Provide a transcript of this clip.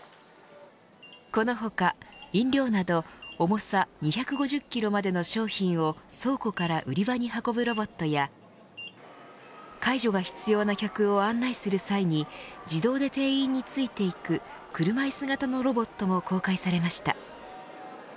この他、飲料など重さ２５０キロまでの商品を倉庫から売り場に運ぶロボットや介助が必要な客を案内する際に自動で店員についていく車いす型のロボットも公開されました。